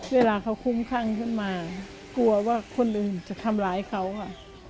เวลาเขาคุ้มข้างขึ้นมากลัวว่าคนหนึ่งจะทำร้ายเขาค่ะ